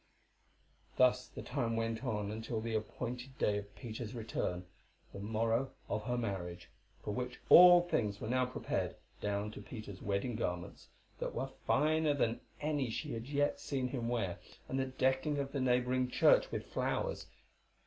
Thus the time went on until the appointed day of Peter's return, the morrow of her marriage, for which all things were now prepared, down to Peter's wedding garments, that were finer than any she had yet seen him wear, and the decking of the neighbouring church with flowers.